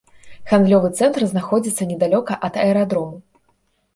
Гандлёвы цэнтр знаходзіцца недалёка ад аэрадрому.